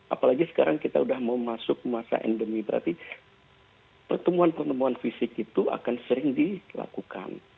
apalagi sekarang kita sudah mau masuk masa endemi berarti pertemuan pertemuan fisik itu akan sering dilakukan